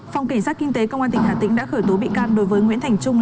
phòng kiến sát kinh tế công an hà tĩnh đã khởi tố bị can đối với nguyễn thành trung